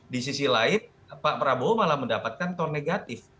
di sisi lain pak prabowo malah mendapatkan tone negatif